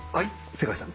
世界さん。